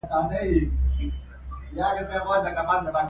افغانستان د سیاسي جوړښتونو د ثبات لپاره اوږده مبارزه کوي